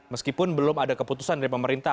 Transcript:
meskipun belum ada keputusan dari pemerintah